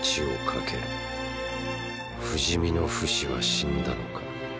不死身のフシは死んだのか。